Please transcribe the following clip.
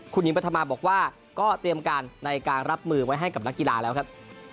คุณหญิงปฐมาบอกว่าก็เตรียมการในการรับมือไว้ให้กับนักกีฬาแล้วครับ